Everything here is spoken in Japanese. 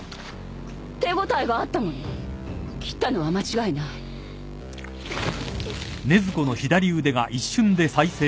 手応えがあったもの切ったのは間違いないうっ！